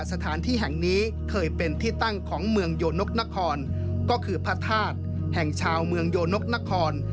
สถานที่แห่งนี้เคยเป็นที่ตั้งของเมืองโยนกนครก็คือพระธาตุแห่งชาวเมืองโยนกนคร